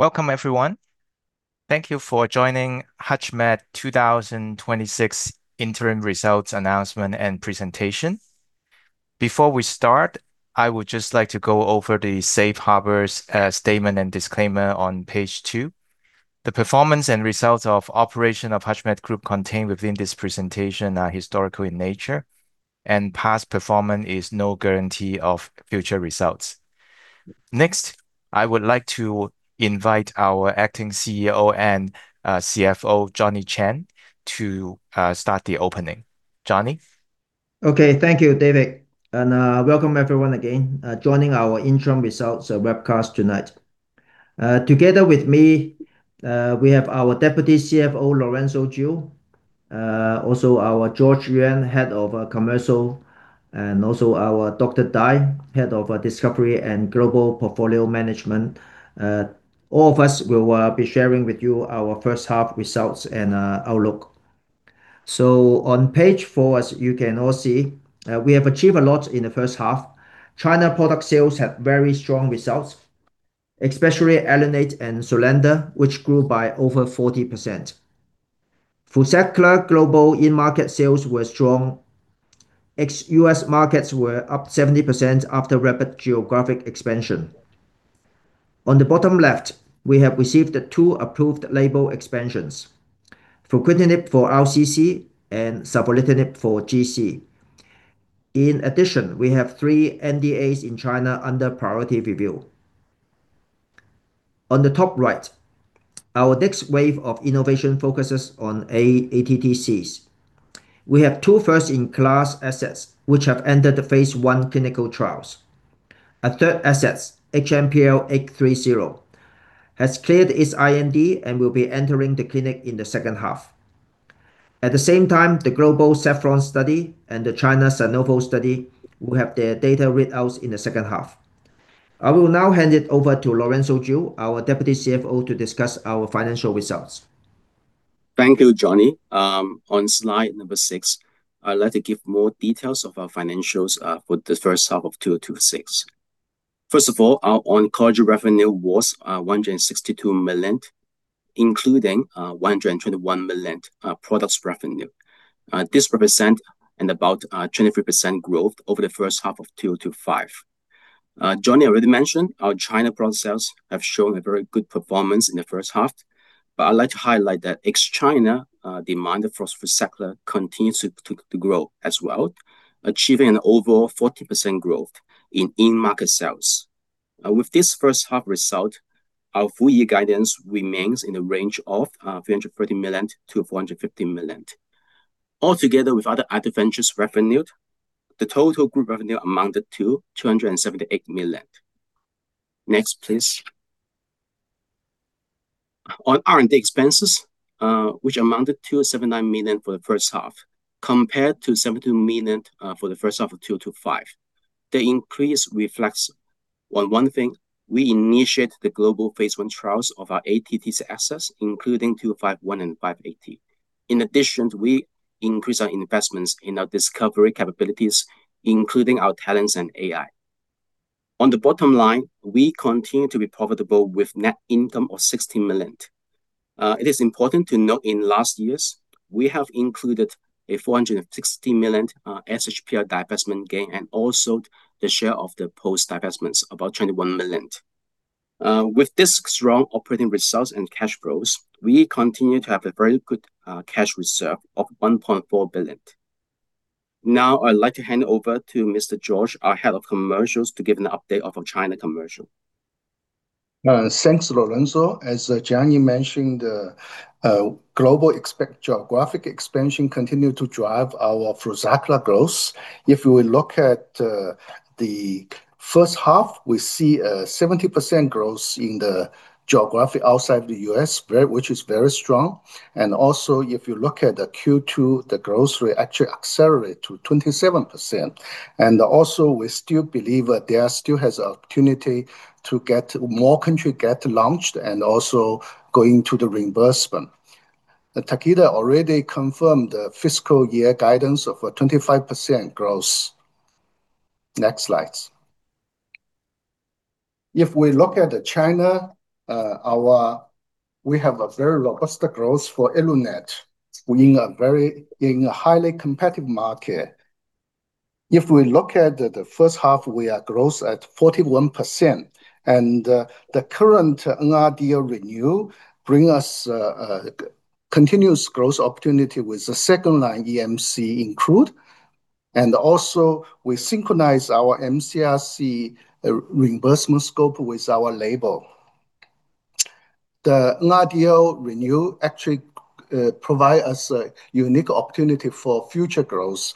Welcome, everyone. Thank you for joining HUTCHMED 2026 Interim Results announcement and presentation. Before we start, I would just like to go over the safe harbors statement and disclaimer on page two. The performance and results of operation of HUTCHMED Group contained within this presentation are historical in nature, and past performance is no guarantee of future results. Next, I would like to invite our Acting CEO and CFO, Johnny Cheng, to start the opening. Johnny? Thank you, David, and welcome everyone again joining our interim results webcast tonight. Together with me, we have our Deputy CFO, Lorenso Chiu, also our George Yuan, Head of Commercial, and also our Dr. Dai, Head of Discovery and Global Portfolio Management. All of us will be sharing with you our first half results and outlook. On page four, as you can all see, we have achieved a lot in the first half. China product sales have very strong results, especially ELUNATE and SULANDA, which grew by over 40%. FRUZAQLA global in-market sales were strong. Ex-U.S. markets were up 70% after rapid geographic expansion. On the bottom left, we have received two approved label expansions, Fruquintinib for RCC and savolitinib for GC. In addition, we have three NDAs in China under priority review. On the top right, our next wave of innovation focuses on ATTCs. We have two first-in-class assets which have entered the phase I clinical trials. A third asset, HMPL-A830, has cleared its IND and will be entering the clinic in the second half. At the same time, the global SAFFRON study and the China SANOVO study will have their data readouts in the second half. I will now hand it over to Lorenso Chiu, our Deputy CFO, to discuss our financial results. Thank you, Johnny. On slide number six, I'd like to give more details of our financials for the first half of 2026. First of all, our oncology revenue was $162 million, including $121 million products revenue. This represent an about 23% growth over the first half of 2025. Johnny already mentioned our China product sales have shown a very good performance in the first half. I'd like to highlight that ex-China demand for FRUZAQLA continues to grow as well, achieving an overall 40% growth in in-market sales. With this first half result, our full-year guidance remains in the range of $330 million to $415 million. Altogether with other ventures revenue, the total group revenue amounted to $278 million. Next, please. On R&D expenses, which amounted to $79 million for the first half, compared to $72 million for the first half of 2025. The increase reflects on one thing, we initiate the global phase I trials of our ATTC assets, including 251 and 580. In addition, we increase our investments in our discovery capabilities, including our talents and AI. On the bottom line, we continue to be profitable with net income of $16 million. It is important to note in last years, we have included a $460 million SHPL divestment gain, and also the share of the post divestments, about $21 million. With this strong operating results and cash flows, we continue to have a very good cash reserve of $1.4 billion. Now I'd like to hand over to Mr. George, our Head of Commercial, to give an update of our China commercial. Thanks, Lorenso. As Johnny mentioned, global geographic expansion continue to drive our FRUZAQLA growth. If we look at the first half, we see a 70% growth in the geography outside the U.S., which is very strong. If you look at the Q2, the growth rate actually accelerate to 27%. We still believe that there still has opportunity to get more country get launched and also go into the reimbursement. Takeda already confirmed the fiscal year guidance of a 25% growth. Next slides. If we look at China, we have a very robust growth for ELUNATE. We are in a highly competitive market. If we look at the first half, we are growth at 41%, and the current NRDL renewal bring us a continuous growth opportunity with the second-line mCRC included. We synchronize our mCRC reimbursement scope with our label. The NRDL renewal actually provide us a unique opportunity for future growth,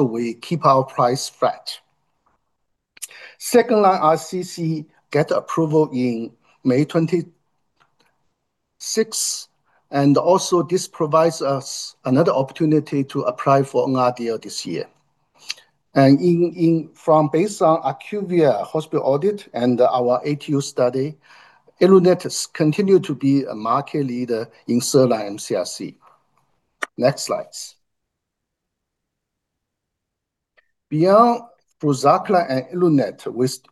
we keep our price flat. Second-line RCC get approval in May 26, this provides us another opportunity to apply for NRDL this year. Based on IQVIA hospital audit and our ATU study, ELUNATE continue to be a market leader in third-line mCRC. Next slides. Beyond FRUZAQLA and ELUNATE,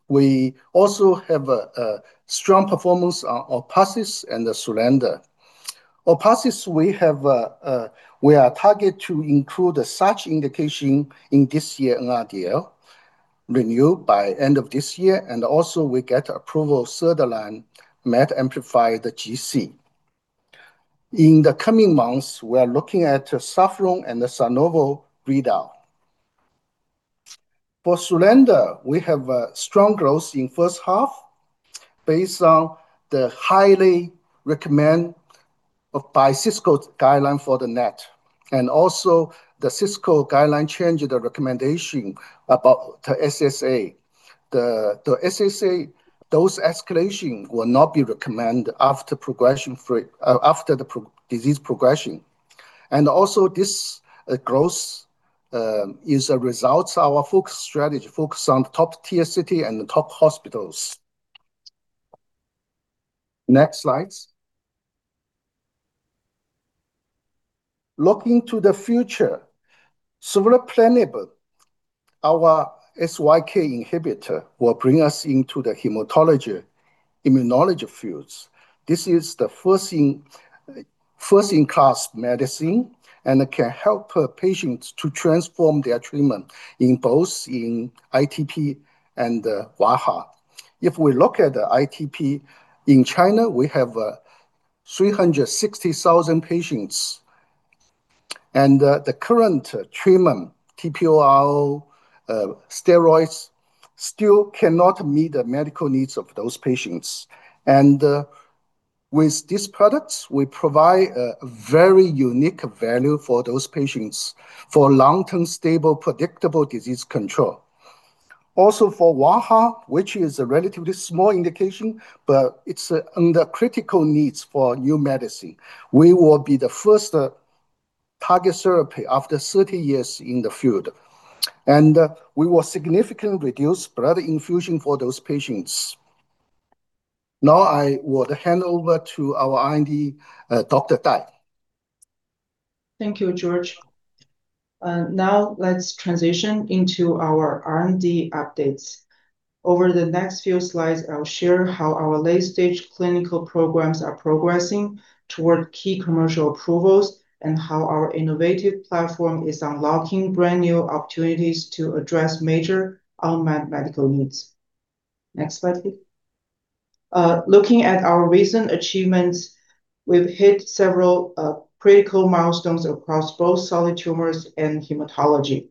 we also have a strong performance on ORPATHYS and SULANDA. ORPATHYS, we are target to include such indication in this year NRDL, renew by end of this year, we get approval third-line MET-amplified GC. In the coming months, we are looking at SAFFRON and SANOVO readout. For SULANDA, we have strong growth in first half based on the highly recommend by CSCO guideline for the NET. The CSCO guideline change the recommendation about the SSA. The SSA, dose escalation will not be recommend after the disease progression. This growth is a result our focus strategy focus on top-tier city and the top hospitals. Next slides. Looking to the future, Sovleplenib, our Syk inhibitor, will bring us into the hematology immunology fields. This is the first-in-class medicine, and it can help patients to transform their treatment in both ITP and wAIHA. If we look at the ITP in China, we have 360,000 patients, and the current treatment, TPO, steroids, still cannot meet the medical needs of those patients. With this product, we provide a very unique value for those patients for long-term, stable, predictable disease control. Also for wAIHA, which is a relatively small indication, but it's under critical needs for new medicine. We will be the first target therapy after 30 years in the field. We will significantly reduce blood infusion for those patients. Now, I will hand over to our R&D, Dr. Dai. Thank you, George. Now, let's transition into our R&D updates. Over the next few slides, I'll share how our late-stage clinical programs are progressing toward key commercial approvals and how our innovative platform is unlocking brand-new opportunities to address major unmet medical needs. Next slide, please. Looking at our recent achievements, we've hit several critical milestones across both solid tumors and hematology.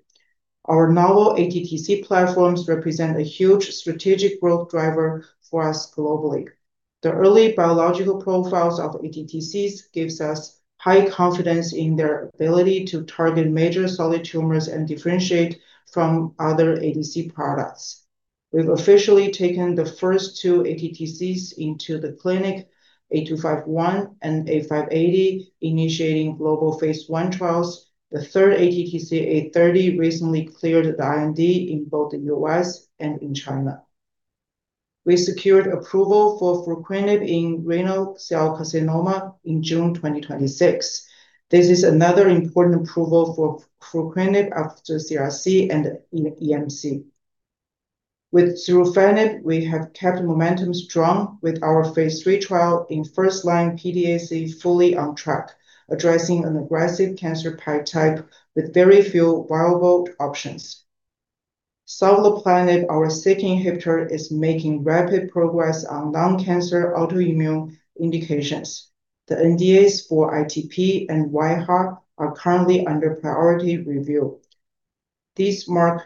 Our novel ATTC platforms represent a huge strategic growth driver for us globally. The early biological profiles of ATTCs gives us high confidence in their ability to target major solid tumors and differentiate from other ATTC products. We've officially taken the first two ATTCs into the clinic, A251 and A580, initiating global phase I trials. The third ATTC, A830, recently cleared the IND in both the U.S. and in China. We secured approval for Fruquintinib in Renal Cell Carcinoma in June 2026. This is another important approval for Fruquintinib after CRC and in mCRC. With surufatinib, we have kept momentum strong with our phase III trial in first-line PDAC fully on track, addressing an aggressive cancer type with very few viable options. Savolitinib, our second inhibitor, is making rapid progress on lung cancer autoimmune indications. The NDAs for ITP and wAIHA are currently under priority review. These mark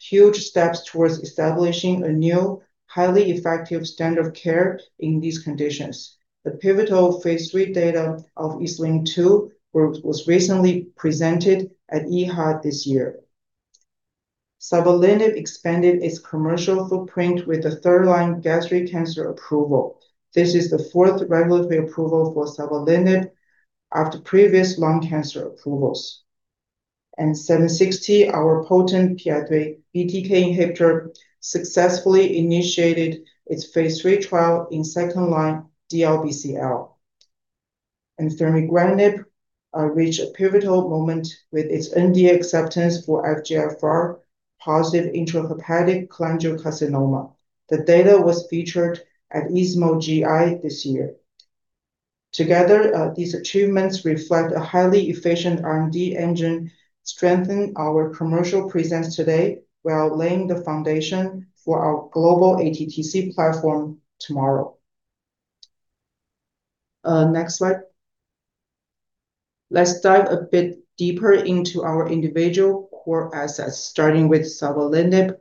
huge steps towards establishing a new, highly effective standard of care in these conditions. The pivotal phase III data of ESLIM-02 was recently presented at EHA this year. Savolitinib expanded its commercial footprint with the third-line gastric cancer approval. This is the fourth regulatory approval for savolitinib after previous lung cancer approvals. 760, our potent PI3K/BTK inhibitor, successfully initiated its phase III trial in second-line DLBCL. Fanregratinib reached a pivotal moment with its NDA acceptance for FGFR positive intrahepatic cholangiocarcinoma. The data was featured at ESMO GI this year. Together, these achievements reflect a highly efficient R&D engine, strengthening our commercial presence today while laying the foundation for our global ATTC platform tomorrow. Next slide. Let's dive a bit deeper into our individual core assets, starting with savolitinib,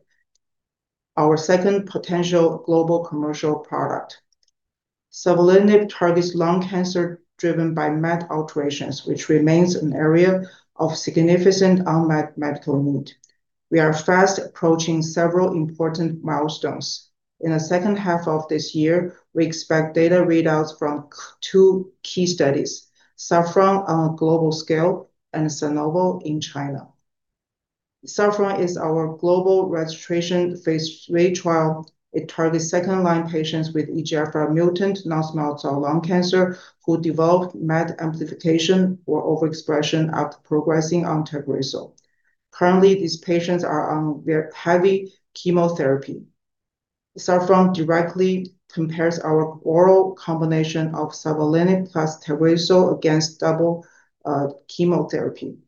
our second potential global commercial product. Savolitinib targets lung cancer driven by MET alterations, which remains an area of significant unmet medical need. We are fast approaching several important milestones. In the second half of this year, we expect data readouts from two key studies, SAFFRON on a global scale and SANOVO in China. SAFFRON is our global registration phase III trial. It targets second-line patients with EGFR mutant non-small cell lung cancer who developed MET amplification or overexpression after progressing on TAGRISSO. Currently, these patients are on heavy chemotherapy. SAFFRON directly compares our oral combination of savolitinib plus TAGRISSO against double chemotherapy.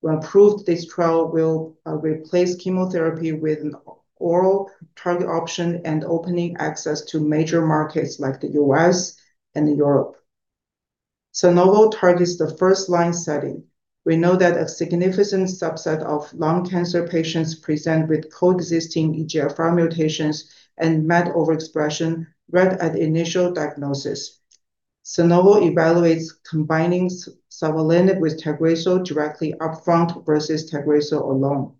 When approved, this trial will replace chemotherapy with an oral target option and opening access to major markets like the U.S. and Europe. SANOVO targets the first line setting. We know that a significant subset of lung cancer patients present with coexisting EGFR mutations and MET overexpression right at initial diagnosis. SANOVO evaluates combining savolitinib with TAGRISSO directly upfront versus TAGRISSO alone.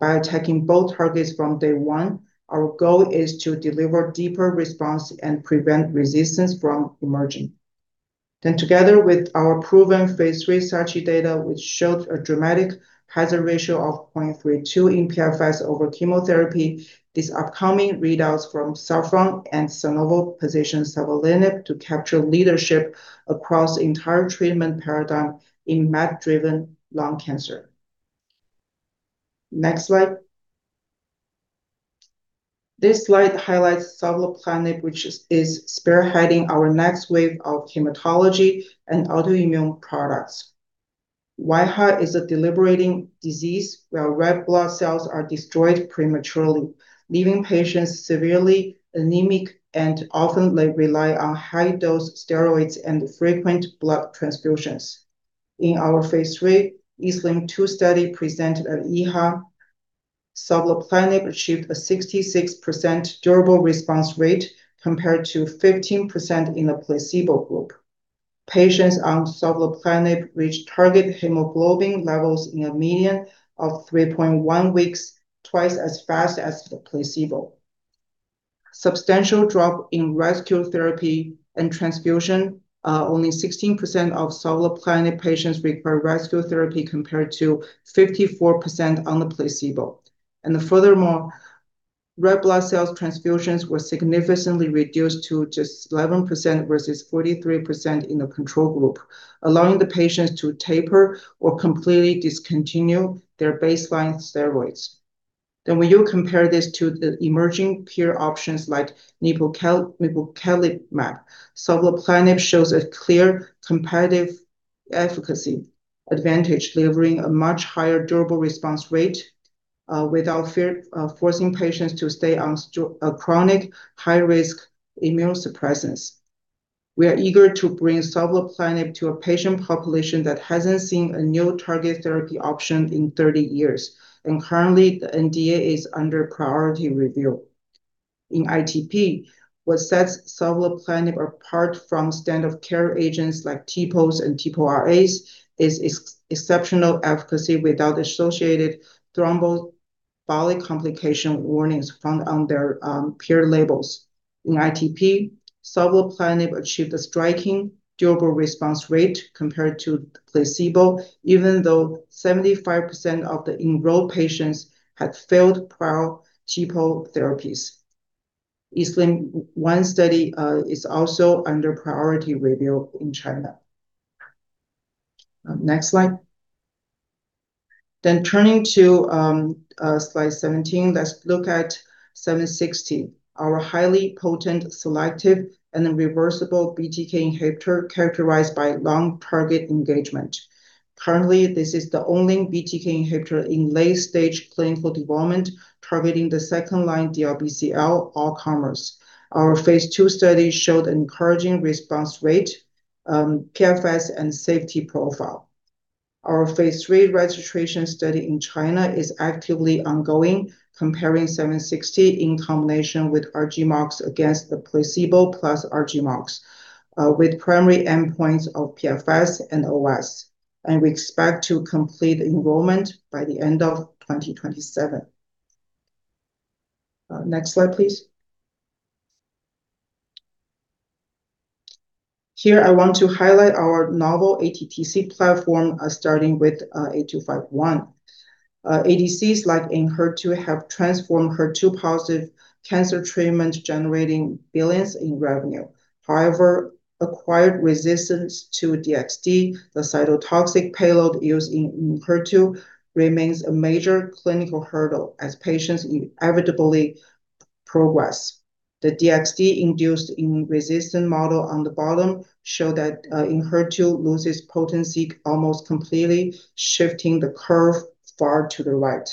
By attacking both targets from day one, our goal is to deliver deeper response and prevent resistance from emerging. Together with our proven phase III SACHI data, which showed a dramatic hazard ratio of 0.32 in PFS over chemotherapy, these upcoming readouts from SAFFRON and SANOVO position savolitinib to capture leadership across the entire treatment paradigm in MET-driven lung cancer. Next slide. This slide highlights Sovleplenib, which is spearheading our next wave of hematology and autoimmune products. wAIHA is a deliberating disease where red blood cells are destroyed prematurely, leaving patients severely anemic and often they rely on high-dose steroids and frequent blood transfusions. In our phase III ESLIM-02 study presented at EHA, Sovleplenib achieved a 66% durable response rate compared to 15% in the placebo group. Patients on Sovleplenib reached target hemoglobin levels in a median of 3.1 weeks, twice as fast as the placebo. Substantial drop in rescue therapy and transfusion. Only 16% of Sovleplenib patients require rescue therapy, compared to 54% on the placebo. Red blood cells transfusions were significantly reduced to just 11% versus 43% in the control group, allowing the patients to taper or completely discontinue their baseline steroids. When you compare this to the emerging peer options like nipocalimab, Sovleplenib shows a clear competitive efficacy advantage, delivering a much higher durable response rate, without forcing patients to stay on a chronic high risk immunosuppressants. We are eager to bring Sovleplenib to a patient population that hasn't seen a new target therapy option in 30 years, and currently, the NDA is under priority review. In ITP, what sets Sovleplenib apart from standard care agents like TPOs and TPO-RAs is exceptional efficacy without associated thrombotic complication warnings found on their peer labels. In ITP, Sovleplenib achieved a striking durable response rate compared to placebo, even though 75% of the enrolled patients had failed prior TPO therapies. ESLIM-01 study is also under priority review in China. Next slide. Turning to slide 17, let's look at 760, our highly potent selective and reversible BTK inhibitor characterized by long target engagement. Currently, this is the only BTK inhibitor in late-stage clinical development targeting the second line DLBCL all comers. Our phase II study showed encouraging response rate, PFS, and safety profile. Our phase III registration study in China is actively ongoing, comparing 760 in combination with R-GemOx against the placebo plus R-GemOx, with primary endpoints of PFS and OS. We expect to complete enrollment by the end of 2027. Next slide, please. Here, I want to highlight our novel ATTC platform, starting with A251. ADCs, like in HER2, have transformed HER2-positive cancer treatment, generating billions in revenue. However, acquired resistance to DXd, the cytotoxic payload used in HER2, remains a major clinical hurdle as patients inevitably progress. The DXd induced in resistant model on the bottom show that in HER2 loses potency almost completely, shifting the curve far to the right.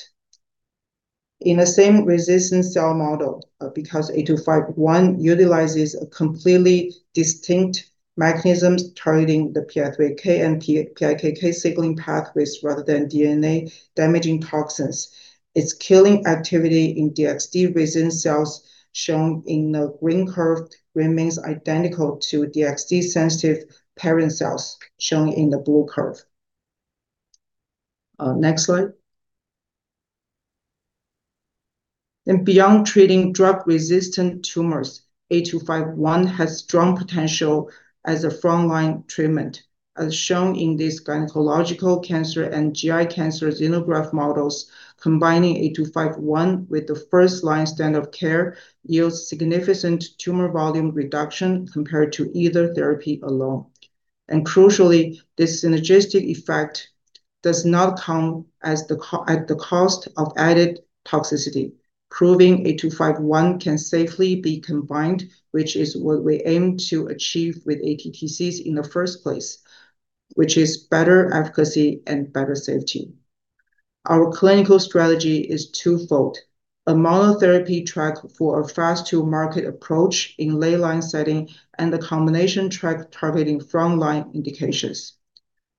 In the same resistant cell model, because A251 utilizes completely distinct mechanisms targeting the PI3K and PIKK signaling pathways rather than DNA-damaging toxins. Its killing activity in DXd-resistant cells, shown in the green curve, remains identical to DXd-sensitive parent cells, shown in the blue curve. Next slide. Beyond treating drug-resistant tumors, A251 has strong potential as a frontline treatment, as shown in this gynecological cancer and GI cancer xenograft models. Combining A251 with the first-line standard of care yields significant tumor volume reduction compared to either therapy alone. Crucially, this synergistic effect does not come at the cost of added toxicity, proving A251 can safely be combined, which is what we aim to achieve with ATTCs in the first place, which is better efficacy and better safety. Our clinical strategy is twofold. A monotherapy track for a fast-to-market approach in late-line setting, and a combination track targeting frontline indications.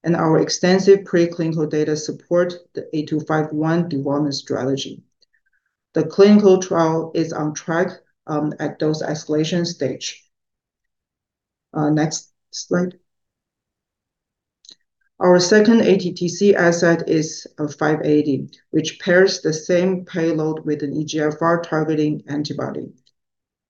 Our extensive pre-clinical data support the A251 development strategy. The clinical trial is on track at dose escalation stage. Next slide. Our second ATTC asset is 580, which pairs the same payload with an EGFR targeting antibody.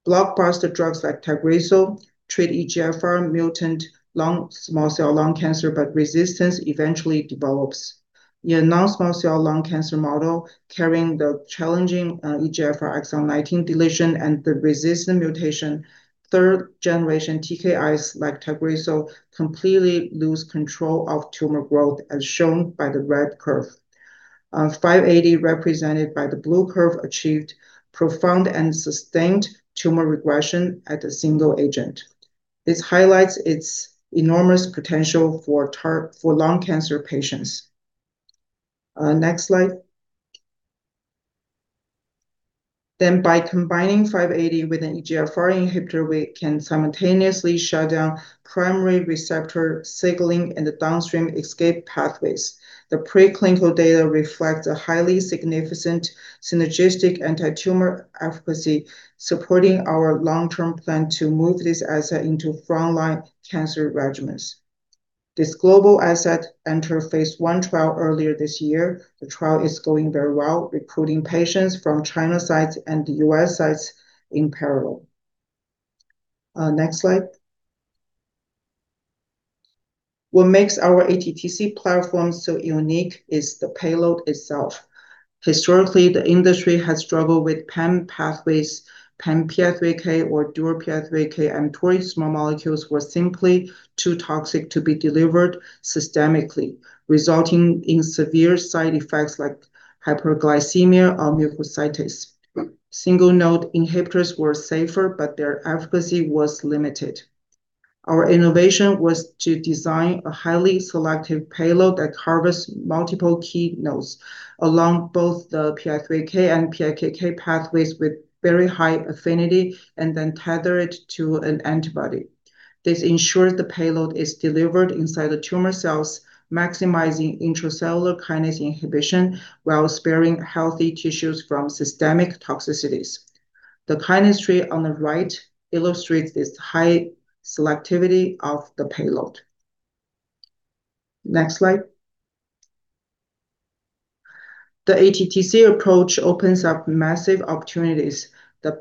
Blockbuster drugs like TAGRISSO treat EGFR mutant non-small cell lung cancer, but resistance eventually develops. In a non-small cell lung cancer model carrying the challenging EGFR exon 19 deletion and the resistant mutation, third generation TKIs like TAGRISSO completely lose control of tumor growth, as shown by the red curve. 580, represented by the blue curve, achieved profound and sustained tumor regression as a single agent. This highlights its enormous potential for lung cancer patients. Next slide. By combining 580 with an EGFR inhibitor, we can simultaneously shut down primary receptor signaling and the downstream escape pathways. The pre-clinical data reflects a highly significant synergistic anti-tumor efficacy, supporting our long-term plan to move this asset into frontline cancer regimens. This global asset entered phase I trial earlier this year. The trial is going very well, recruiting patients from China sites and the U.S. sites in parallel. Next slide. What makes our ATTC platform so unique is the payload itself. Historically, the industry has struggled with pan-pathways, pan-PI3K or dual PI3K inhibitors. Small molecules were simply too toxic to be delivered systemically, resulting in severe side effects like hyperglycemia or mucositis. Single node inhibitors were safer, but their efficacy was limited. Our innovation was to design a highly selective payload that harvests multiple key nodes along both the PI3K and PIKK pathways with very high affinity, and then tether it to an antibody. This ensures the payload is delivered inside the tumor cells, maximizing intracellular kinase inhibition while sparing healthy tissues from systemic toxicities. The kinase tree on the right illustrates this high selectivity of the payload. Next slide. The ATTC approach opens up massive opportunities. The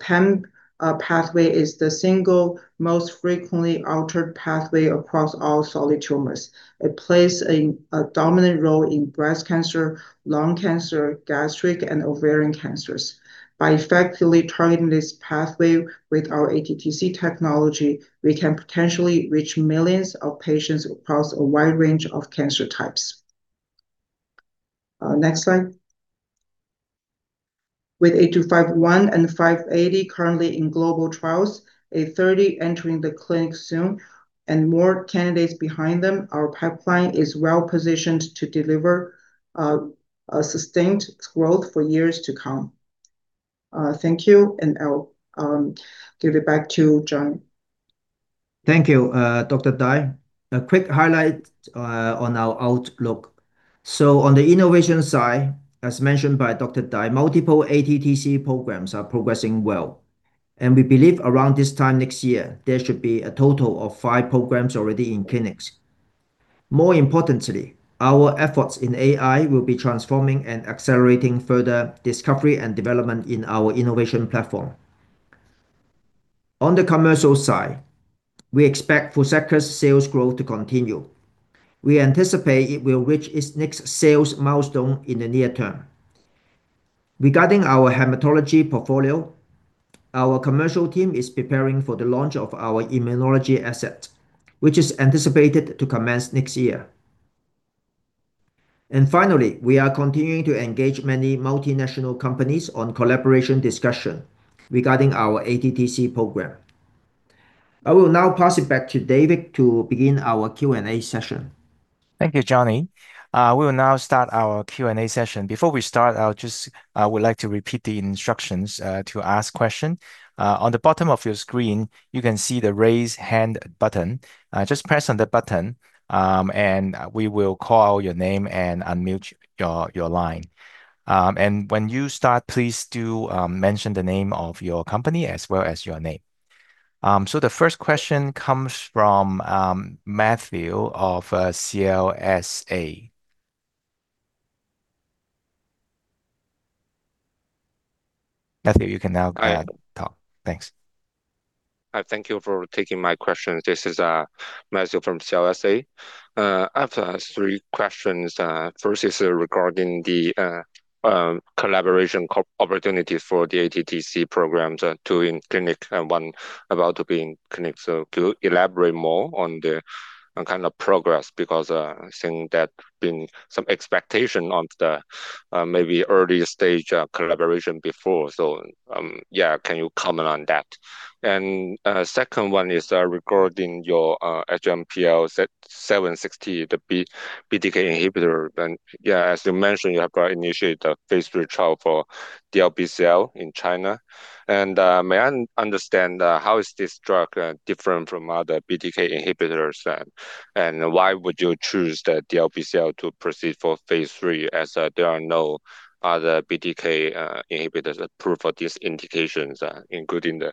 pan-pathway is the single most frequently altered pathway across all solid tumors. It plays a dominant role in breast cancer, lung cancer, gastric and ovarian cancers. By effectively targeting this pathway with our ATTC technology, we can potentially reach millions of patients across a wide range of cancer types. Next slide. With A251 and 580 currently in global trials, A830 entering the clinic soon, and more candidates behind them, our pipeline is well-positioned to deliver a sustained growth for years to come. Thank you. I'll give it back to Johnny. Thank you, Dr. Dai. A quick highlight on our outlook. On the innovation side, as mentioned by Dr. Dai, multiple ATTC programs are progressing well, and we believe around this time next year, there should be a total of five programs already in clinics. More importantly, our efforts in AI will be transforming and accelerating further discovery and development in our innovation platform. On the commercial side, we expect FRUZAQLA's sales growth to continue. We anticipate it will reach its next sales milestone in the near term. Regarding our hematology portfolio, our commercial team is preparing for the launch of our immunology asset, which is anticipated to commence next year. Finally, we are continuing to engage many multinational companies on collaboration discussion regarding our ATTC program. I will now pass it back to David to begin our Q&A session. Thank you, Johnny. We will now start our Q&A session. Before we start, I would like to repeat the instructions to ask question. On the bottom of your screen, you can see the Raise Hand button. Just press on that button. We will call out your name and unmute your line. When you start, please do mention the name of your company as well as your name. The first question comes from Matthew of CLSA. Matthew, you can now go ahead and talk. Thanks. Hi, thank you for taking my question. This is Matthew from CLSA. I have three questions. First is regarding the collaboration opportunities for the ATTC programs, two in clinic and one about to be in clinic. Could you elaborate more on the kind of progress, because I think that there's been some expectation of the maybe early-stage collaboration before. Yeah, can you comment on that? Second one is regarding your HMPL-760, the BTK inhibitor. Yeah, as you mentioned, you have got initiate the phase III trial for DLBCL in China. May I understand how is this drug different from other BTK inhibitors, and why would you choose the DLBCL to proceed for phase III, as there are no other BTK inhibitors approved for these indications, including the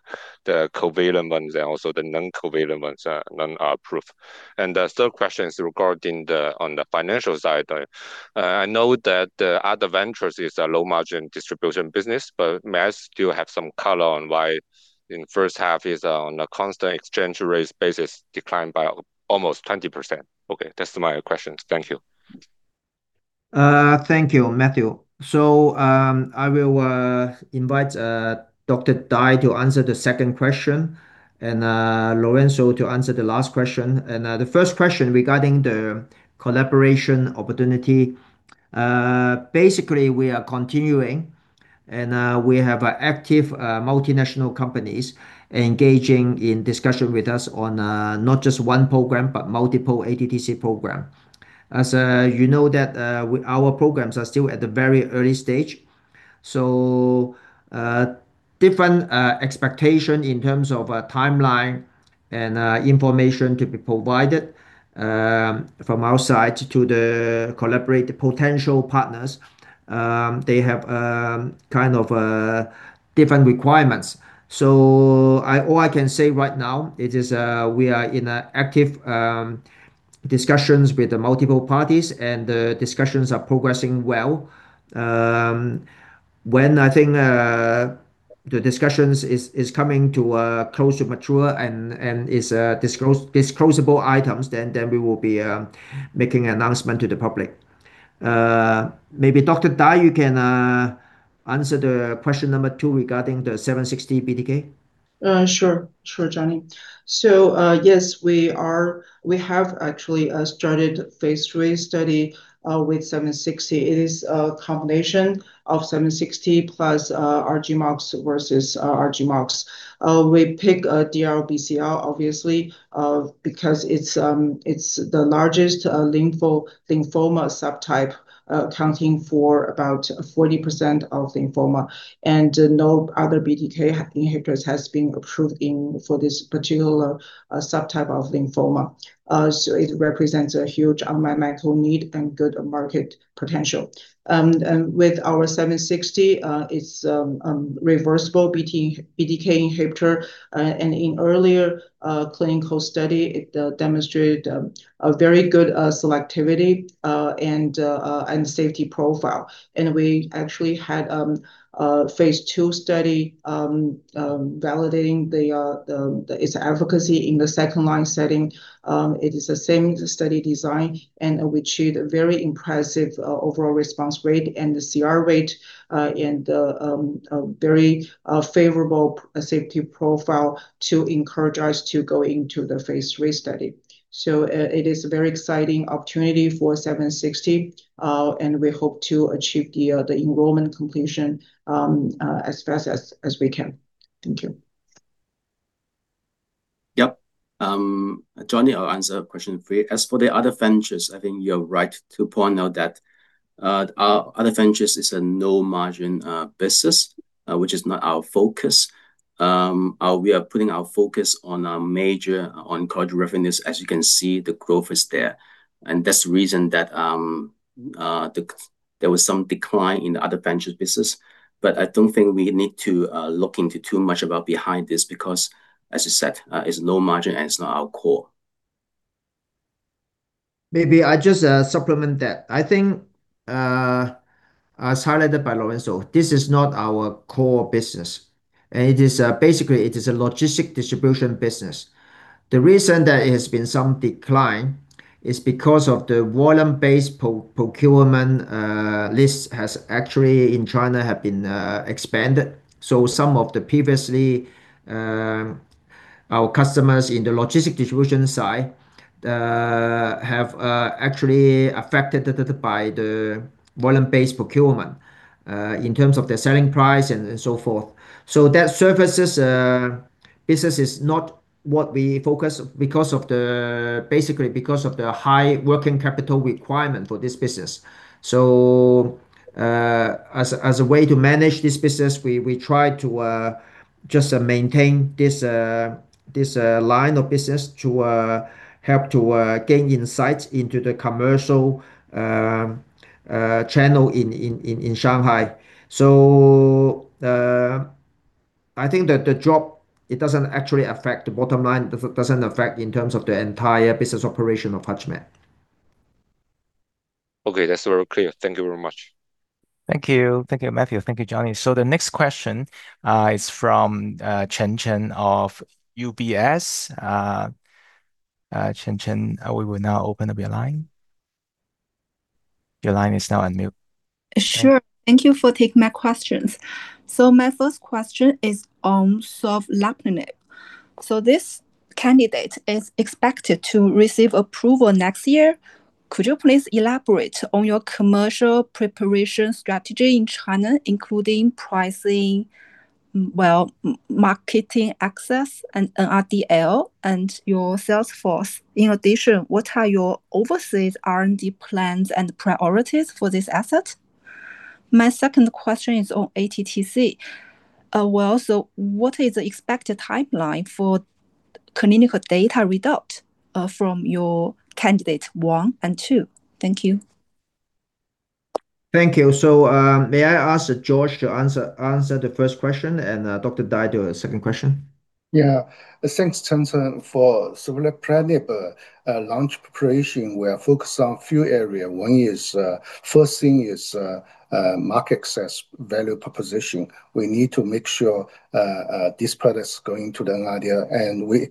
covalent ones and also the non-covalent ones are non-approved. The third question is regarding on the financial side. I know that the Other Ventures is a low-margin distribution business, but may I still have some color on why in the first half is on a constant exchange rate basis declined by almost 20%? Okay, that's my questions. Thank you. Thank you, Matthew. I will invite Dr. Dai to answer the second question, and Lorenso to answer the last question. The first question regarding the collaboration opportunity, basically, we are continuing, and we have active multinational companies engaging in discussion with us on not just one program, but multiple ATTC program. As you know that our programs are still at the very early stage, so different expectation in terms of timeline and information to be provided from our side to the collaborate potential partners. They have kind of different requirements. All I can say right now it is we are in active discussions with multiple parties, and the discussions are progressing well. When I think the discussions is coming to a close to mature and is disclosable items, then we will be making an announcement to the public. Maybe Dr. Dai, you can answer the question number two regarding the 760 BTK. Sure. Johnny. Yes, we have actually started phase III study, with HMPL-760. It is a combination of HMPL-760+ R-GemOx versus R-GemOx. We pick DLBCL, obviously, because it is the largest lymphoma subtype, accounting for about 40% of lymphoma. No other BTK inhibitors has been approved for this particular subtype of lymphoma. It represents a huge unmet medical need and good market potential. With our HMPL-760, it is reversible BTK inhibitor, and in earlier clinical study, it demonstrated a very good selectivity and safety profile. We actually had a phase II study validating its efficacy in the second-line setting. It is the same study design, and we achieved a very impressive overall response rate and the CR rate, and a very favorable safety profile to encourage us to go into the phase III study. It is a very exciting opportunity for HMPL-760, and we hope to achieve the enrollment completion as fast as we can. Thank you. Yep. Johnny, I will answer question three. As for the Other Ventures, I think you are right to point out that our Other Ventures is a low-margin business, which is not our focus. We are putting our focus on our major oncology revenues. As you can see, the growth is there. That is the reason that there was some decline in the Other Ventures business. I do not think we need to look into too much about behind this, because, as you said, it is low margin and it is not our core. Maybe I just supplement that. I think as highlighted by Lorenso, this is not our core business. It is basically, it is a logistic distribution business. The reason there has been some decline is because of the volume-based procurement list has actually in China have been expanded. Some of the previously our customers in the logistic distribution side have actually affected by the volume-based procurement, in terms of their selling price and so forth. That services business is not what we focus, basically because of the high working capital requirement for this business. As a way to manage this business, we try to just maintain this line of business to help to gain insights into the commercial channel in Shanghai. I think that the drop, it does not actually affect the bottom line. It does not affect in terms of the entire business operation of HUTCHMED. Okay, that's very clear. Thank you very much. Thank you, Matthew. Thank you, Johnny. The next question is from Chen Chen of UBS. Chen Chen, we will now open up your line. Your line is now unmute. Sure. Thank you for taking my questions. My first question is on Sovleplenib. This candidate is expected to receive approval next year. Could you please elaborate on your commercial preparation strategy in China, including pricing, marketing access, and NRDL, and your sales force? In addition, what are your overseas R&D plans and priorities for this asset? My second question is on ATTC. What is the expected timeline for clinical data readout from your candidate one and two? Thank you. Thank you. May I ask George to answer the first question and Dr. Dai do a second question? Thanks, Chen Chen. For Sovleplenib launch preparation, we are focused on few area. First thing is market access, value proposition. We need to make sure this product's going to the NRDL, and we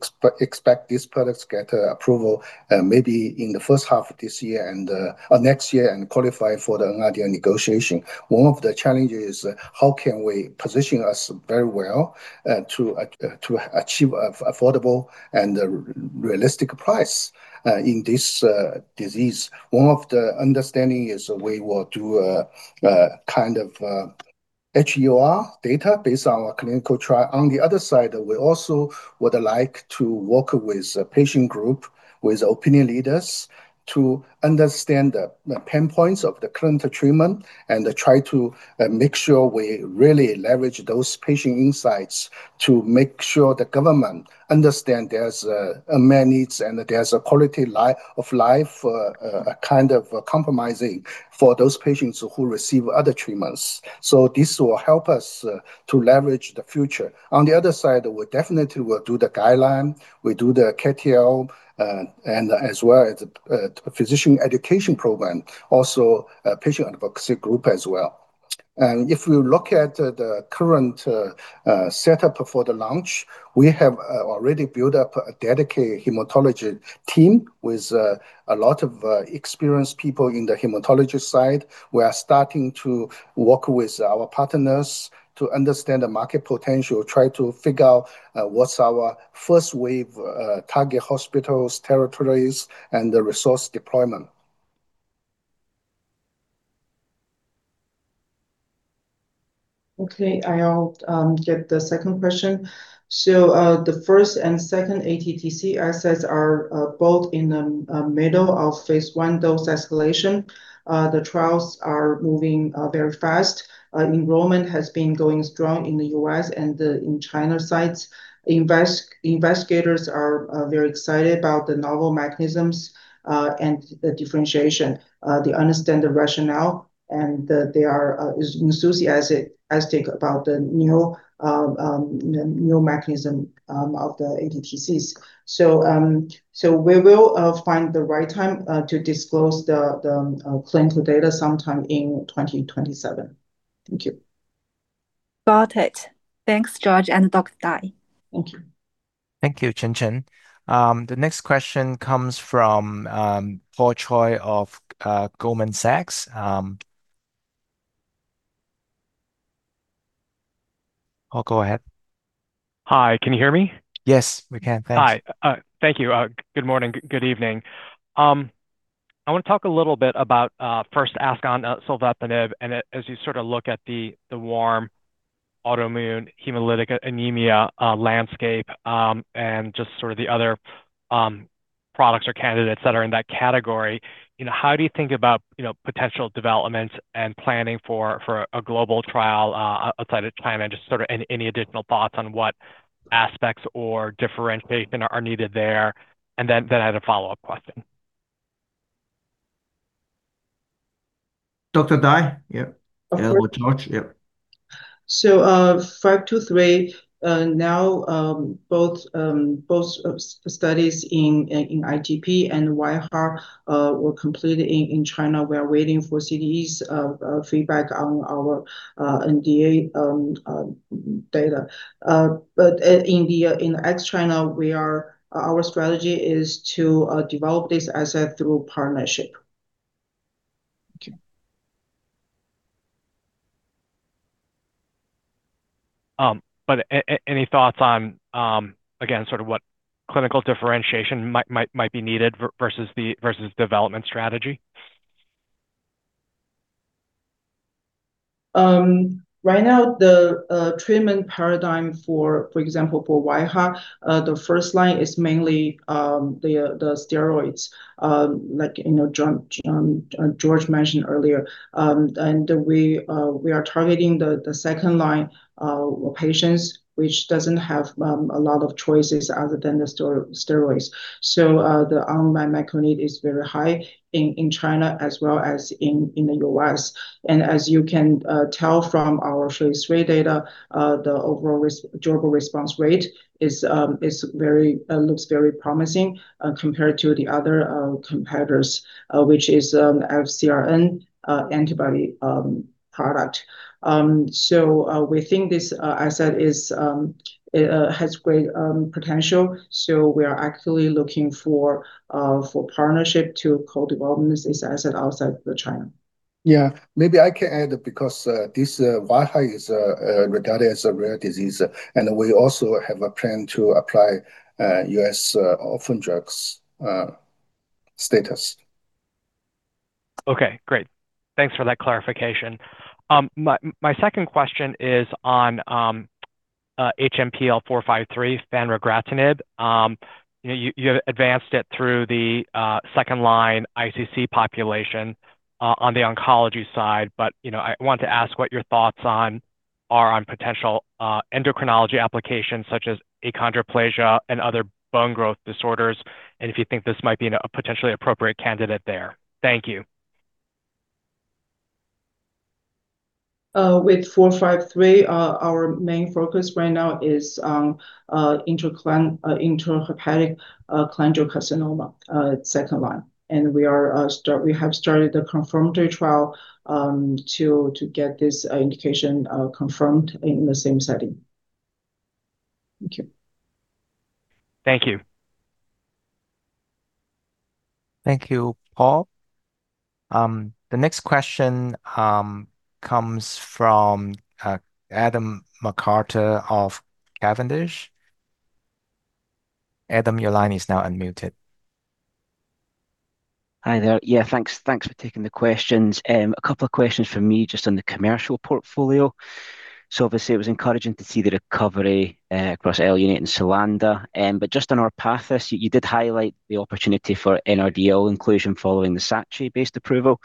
expect this product to get approval maybe in the first half next year and qualify for the NRDL negotiation. One of the challenges is how can we position us very well to achieve affordable and realistic price in this disease. One of the understanding is we will do a kind of HE data based on our clinical trial. On the other side, we also would like to work with a patient group, with opinion leaders, to understand the pain points of the current treatment and try to make sure we really leverage those patient insights to make sure the government understand there's a main needs and there's a quality of life, a kind of compromising for those patients who receive other treatments. This will help us to leverage the future. On the other side, we definitely will do the guideline, we do the KOL, as well as a physician education program, also a patient advocacy group as well. If you look at the current setup for the launch, we have already built up a dedicated hematology team with a lot of experienced people in the hematology side. We are starting to work with our partners to understand the market potential, try to figure out what's our first wave target hospitals, territories, and the resource deployment. I'll get the second question. The first and second ATTC assets are both in the middle of phase I dose escalation. The trials are moving very fast. Enrollment has been going strong in the U.S. and in China sites. Investigators are very excited about the novel mechanisms and the differentiation. They understand the rationale, and they are enthusiastic about the new mechanism of the ATTCs. We will find the right time to disclose the clinical data sometime in 2027. Thank you. Got it. Thanks, George and Dr. Dai. Thank you. Thank you, Chen Chen. The next question comes from Paul Choi of Goldman Sachs. Go ahead. Hi, can you hear me? Yes, we can. Thanks. Hi. Thank you. Good morning, good evening. I want to talk a little bit about first ask on Sovleplenib as you sort of look at the warm autoimmune hemolytic anemia landscape, just sort of the other products or candidates that are in that category, how do you think about potential developments and planning for a global trial outside of China? Just sort of any additional thoughts on what aspects or differentiation are needed there? I had a follow-up question. Dr. Dai? Yeah. Of course. George, yeah. HMPL-523, now both studies in ITP and wAIHA were completed in China. We are waiting for CDE's feedback on our NDA data. In ex-China, our strategy is to develop this asset through partnership. Thank you. Any thoughts on, again, sort of what clinical differentiation might be needed versus development strategy? Right now, the treatment paradigm, for example, for wAIHA, the first-line is mainly the steroids, like George mentioned earlier. We are targeting the second-line patients, which doesn't have a lot of choices other than the steroids. The unmet medical need is very high in China as well as in the U.S. As you can tell from our phase III data, the overall durable response rate looks very promising compared to the other competitors, which is FcRn antibody product. We think this asset has great potential, so we are actively looking for partnership to co-develop this asset outside the China. Yeah, maybe I can add because this wAIHA is regarded as a rare disease, and we also have a plan to apply U.S. orphan drug status. Okay, great. Thanks for that clarification. My second question is on HMPL-453 fanregratinib. You advanced it through the second line ICC population on the oncology side. I want to ask what your thoughts are on potential endocrinology applications such as achondroplasia and other bone growth disorders, and if you think this might be a potentially appropriate candidate there. Thank you. With HMPL-453, our main focus right now is intrahepatic cholangiocarcinoma, second line. We have started the confirmatory trial to get this indication confirmed in the same setting. Thank you. Thank you. Thank you, Paul. The next question comes from Adam McCarter of Cavendish. Adam, your line is now unmuted. Hi there. Yeah, thanks for taking the questions. A couple of questions from me just on the commercial portfolio. Obviously it was encouraging to see the recovery across ELUNATE and SULANDA. Just on ORPATHYS, you did highlight the opportunity for NRDL inclusion following the SACHI based approval.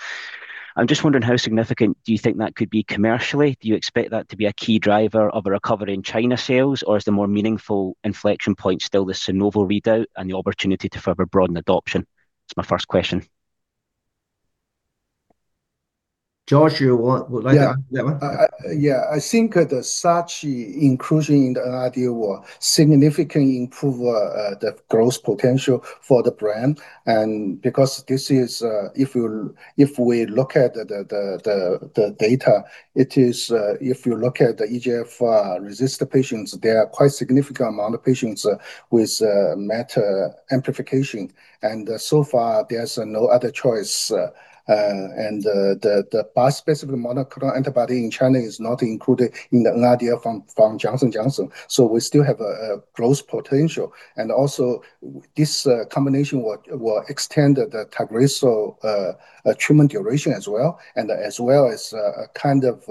I am just wondering how significant do you think that could be commercially? Do you expect that to be a key driver of a recovery in China sales, or is the more meaningful inflection point still this de novo readout and the opportunity to further broaden adoption? That is my first question. George, you would like to answer that one? Yeah. I think the SACHI inclusion in the NRDL will significantly improve the growth potential for the brand. Because if we look at the data, if you look at the EGFR-resistant patients, there are quite significant amount of patients with MET amplification. So far, there is no other choice. The bispecific monoclonal antibody in China is not included in the NRDL from Johnson & Johnson. We still have a growth potential. Also, this combination will extend the TAGRISSO treatment duration as well, and as well as kind of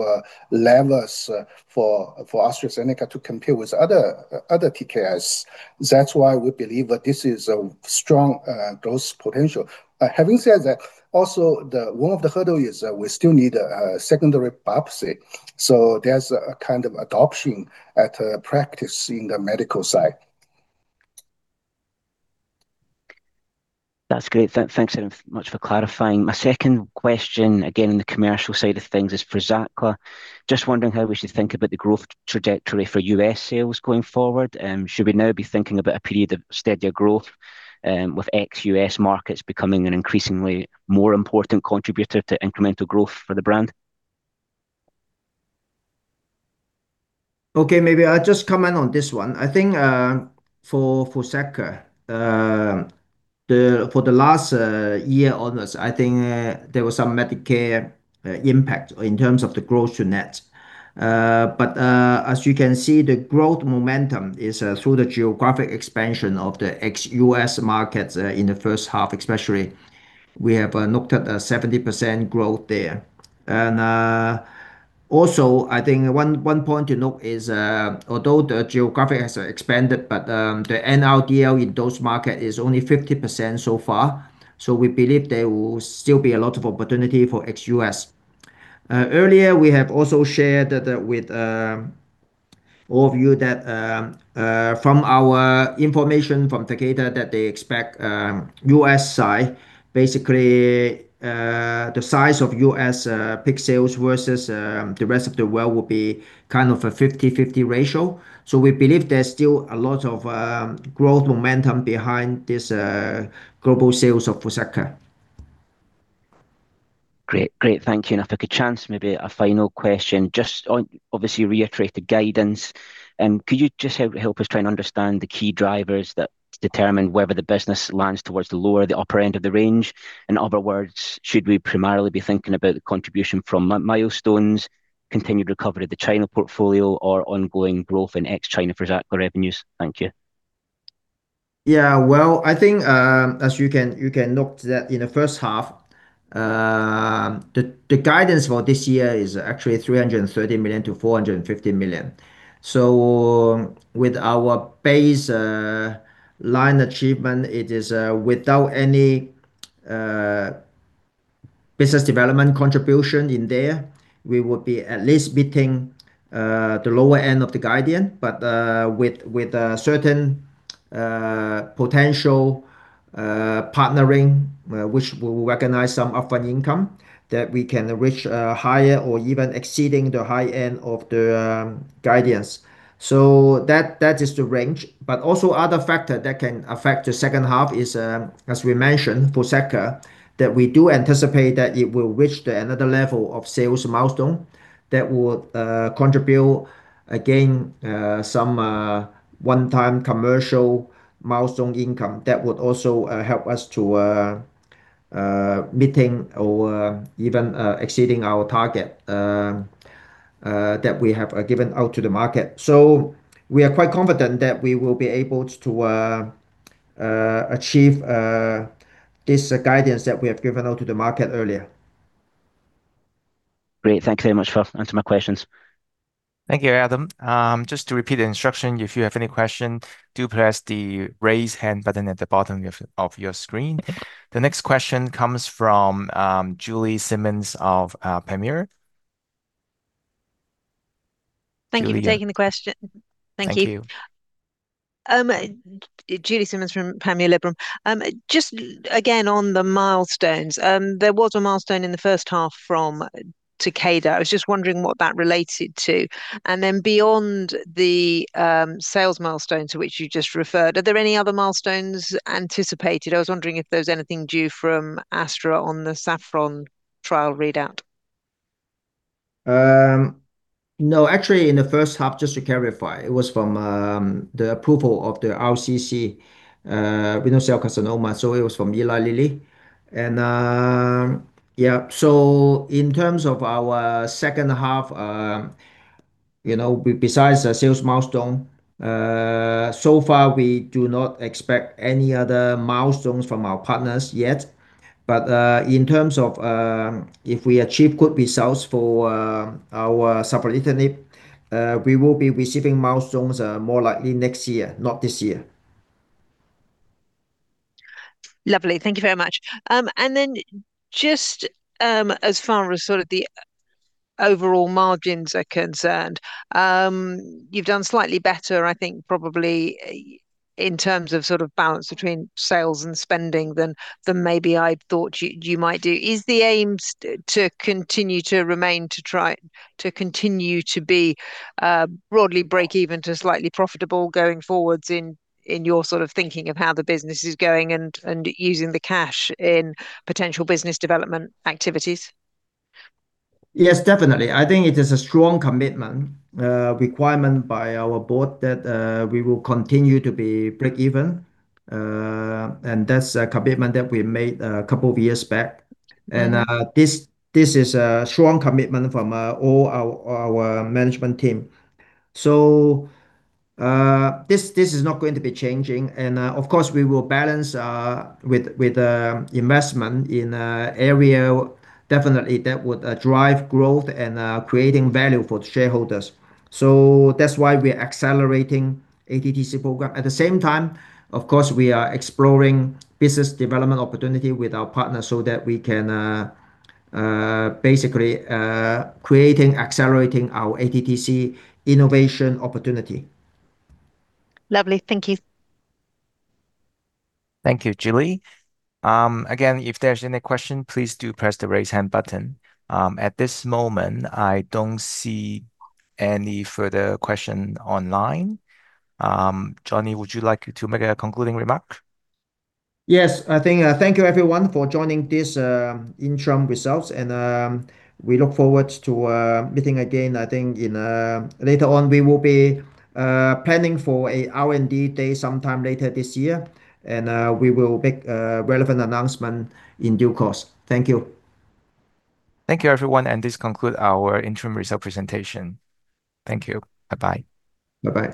levers for AstraZeneca to compete with other TKIs. That is why we believe that this is a strong growth potential. Having said that, also one of the hurdle is that we still need a secondary biopsy, so there is a kind of adoption at practice in the medical side. That's great. Thanks very much for clarifying. My second question, again, on the commercial side of things is for FRUZAQLA. Just wondering how we should think about the growth trajectory for U.S. sales going forward. Should we now be thinking about a period of steadier growth with ex-U.S. markets becoming an increasingly more important contributor to incremental growth for the brand? Okay, maybe I'll just comment on this one. I think for FRUZAQLA, for the last year almost, I think there was some Medicare impact in terms of the gross to net. As you can see, the growth momentum is through the geographic expansion of the ex-U.S. markets in the first half especially. We have looked at 70% growth there. Also, I think one point to note is although the geographic has expanded, the NRDL in those market is only 50% so far. We believe there will still be a lot of opportunity for ex-U.S. Earlier, we have also shared with all of you that from our information from Takeda, that they expect U.S. side, basically, the size of U.S. peak sales versus the rest of the world will be kind of a 50/50 ratio. We believe there's still a lot of growth momentum behind this global sales of FRUZAQLA. Great. Thank you. If I could chance maybe a final question, just on, obviously, reiterate the guidance. Could you just help us try and understand the key drivers that determine whether the business lands towards the lower or the upper end of the range? In other words, should we primarily be thinking about the contribution from milestones, continued recovery of the China portfolio, or ongoing growth in ex-China for FRUZAQLA revenues? Thank you. Well, I think, as you can note that in the first half, the guidance for this year is actually $330 million to $415 million. With our base line achievement, it is without any business development contribution in there. We will be at least beating the lower end of the guidance. With certain potential partnering, which we recognize some upfront income, that we can reach higher or even exceeding the high end of the guidance. That is the range. Also other factor that can affect the second half is, as we mentioned, FRUZAQLA, that we do anticipate that it will reach another level of sales milestone that would contribute, again, some one-time commercial milestone income that would also help us to meeting or even exceeding our target that we have given out to the market. We are quite confident that we will be able to achieve this guidance that we have given out to the market earlier. Great, thank you very much for answering my questions. Thank you, Adam. Just to repeat the instruction, if you have any question, do press the raise hand button at the bottom of your screen. The next question comes from Julie Simmonds of Panmure. Julie. Thank you for taking the question. Thank you. Thank you. Julie Simmonds from Panmure Liberum. Just again, on the milestones. There was a milestone in the first half from Takeda. I was just wondering what that related to. Then beyond the sales milestones to which you just referred, are there any other milestones anticipated? I was wondering if there was anything due from Astra on the SAFFRON trial readout. No. Actually, in the first half, just to clarify, it was from the approval of the RCC Renal Cell Carcinoma, so it was from Eli Lilly. Yeah. In terms of our second half, besides the sales milestone, so far we do not expect any other milestones from our partners yet. In terms of if we achieve good results for our Sovleplenib, we will be receiving milestones more likely next year, not this year. Lovely, thank you very much. Just as far as sort of the overall margins are concerned, you've done slightly better, I think, probably in terms of sort of balance between sales and spending than maybe I'd thought you might do. Is the aim to continue to remain, to try to continue to be broadly breakeven to slightly profitable going forwards in your sort of thinking of how the business is going and using the cash in potential business development activities? Yes, definitely. I think it is a strong commitment, requirement by our board that we will continue to be breakeven. That's a commitment that we made a couple of years back. This is a strong commitment from all our management team. This is not going to be changing. Of course, we will balance with investment in area definitely that would drive growth and creating value for the shareholders. That's why we're accelerating ATTC program. At the same time, of course, we are exploring business development opportunity with our partners so that we can basically creating, accelerating our ATTC innovation opportunity. Lovely. Thank you. Thank you, Julie. Again, if there's any question, please do press the raise hand button. At this moment, I don't see any further question online. Johnny, would you like to make a concluding remark? Yes. I thank you everyone for joining this interim results. We look forward to meeting again, I think, in later on. We will be planning for a R&D day sometime later this year. We will make relevant announcement in due course. Thank you. Thank you, everyone. This conclude our interim result presentation. Thank you. Bye-bye. Bye-bye.